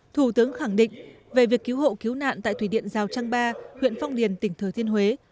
thủ tướng khẳng định về việc cứu hộ cứu nạn tại thủy điện giao trang ba huyện phong điền tỉnh thừa thiên huế